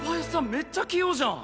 めっちゃ器用じゃん！